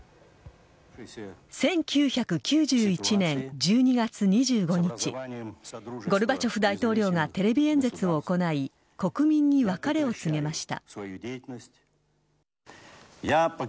１９９１年１２月２５日ゴルバチョフ大統領がテレビ演説を行い国民に別れを告げました。